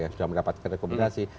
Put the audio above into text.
sudah mendapatkan rekomendasi